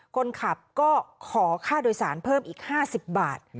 คนขับก็ขอค่าโดยสารเพิ่มอีก๕๐บาท